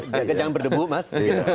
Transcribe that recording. jangan berdebu mas